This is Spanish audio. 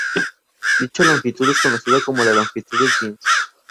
Dicha longitud es conocida como la longitud de Jeans.